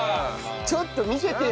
ちょっと見せてよ。